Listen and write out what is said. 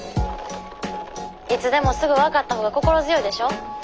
いつでもすぐ分かったほうが心強いでしょ。